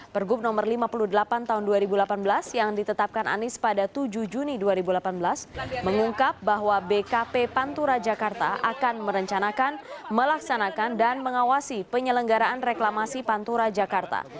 pergub nomor lima puluh delapan tahun dua ribu delapan belas yang ditetapkan anies pada tujuh juni dua ribu delapan belas mengungkap bahwa bkp pantura jakarta akan merencanakan melaksanakan dan mengawasi penyelenggaraan reklamasi pantura jakarta